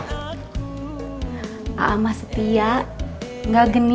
a'a mah setia nggak genit